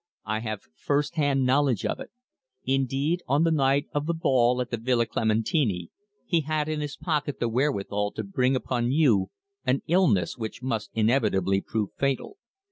"I have first hand knowledge of it. Indeed, on the night of the ball at the Villa Clementini, he had in his pocket the wherewithal to bring upon you an illness which must inevitably prove fatal.